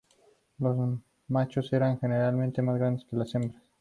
Los machos eran generalmente más grandes que las hembras.